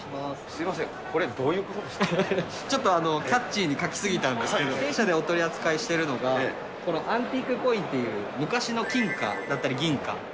すみません、これどういうこちょっと、キャッチーに書き過ぎたんですけれども、弊社でお取り扱いしてるのが、このアンティークコインっていう、昔の金貨だったり、銀貨。